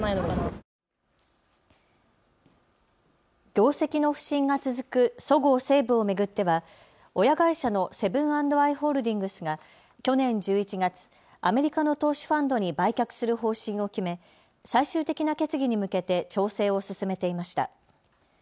業績の不振が続くそごう・西武を巡っては親会社のセブン＆アイ・ホールディングスが去年１１月、アメリカの投資ファンドに売却する方針を決め、最終的な決議に向けて調整を進めていました。